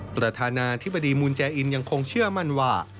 ประธานาธิบดีมูลแจอินยังคงเชื่อมั่นว่า